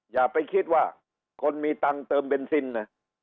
อย่าไปคิดว่าคนมีตังค์เติมเบนซินนะ